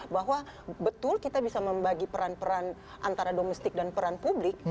bahwa betul kita bisa membagi peran peran antara domestik dan peran publik